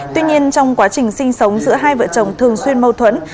tuy nhiên trong quá trình sinh sống giữa hai vợ chồng thường xuyên mâu thuẫn